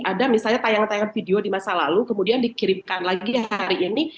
ada misalnya tayangan tayangan video di masa lalu kemudian dikirimkan lagi hari ini